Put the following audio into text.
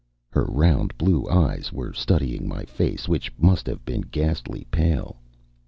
Her round blue eyes were studying my face, which must have been ghastly pale.